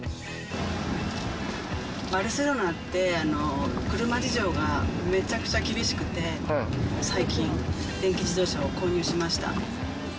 バルセロナって車事情がめちゃくちゃ厳しくて、最近、電気自動車を購入しました。